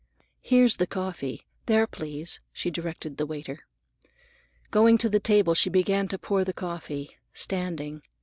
Here's the coffee. There, please," she directed the waiter. Going to the table she began to pour the coffee, standing.